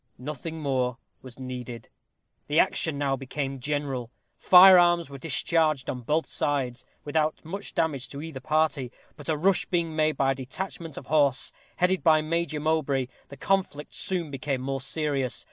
Nothing more was needed. The action now became general. Fire arms were discharged on both sides, without much damage to either party. But a rush being made by a detachment of horse, headed by Major Mowbray, the conflict soon became more serious.